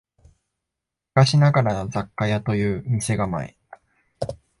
昔ながらの雑貨屋という店構え